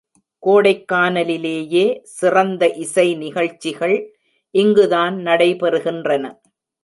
கோடைக்கானலிலேயே சிறந்த இசை நிகழ்ச்சிகள் இங்குதான் நடைபெறுகின்றன.